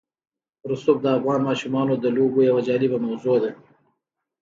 رسوب د افغان ماشومانو د لوبو یوه جالبه موضوع ده.